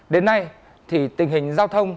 đến nay thì tình hình giao thông